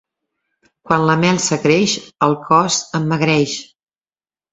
Quan la melsa creix, el cos emmagreix.